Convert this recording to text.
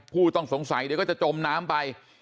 ผู้ต้องสงสัยเดี๋ยวก็จะจมน้ำไป